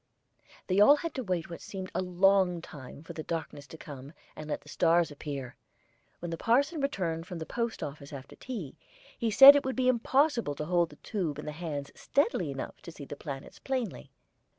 They all had to wait what seemed a long time for the darkness to come, and let the stars appear. When the parson returned from the post office after tea, he said it would be impossible to hold the tube in the hands steadily enough to see the planets plainly.